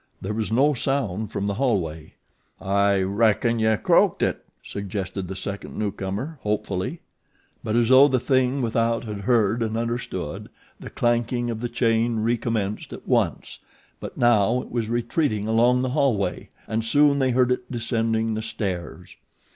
There was no sound from the hallway. "I reckon you croaked IT," suggested the second newcomer, hopefully; but, as though the THING without had heard and understood, the clanking of the chain recommenced at once; but now it was retreating along the hallway, and soon they heard it descending the stairs.